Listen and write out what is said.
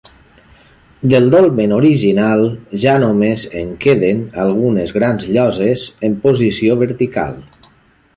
Del dolmen original ja només en resten algunes grans lloses en posició vertical.